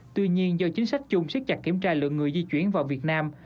tuy nhiên do chính sách chung siết chặt kiểm tra lượng người di chuyển vào việt nam